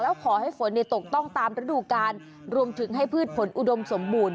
แล้วขอให้ฝนตกต้องตามฤดูกาลรวมถึงให้พืชผลอุดมสมบูรณ